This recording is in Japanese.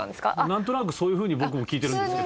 なんとなくそういうふうに僕も聞いてるんですけど。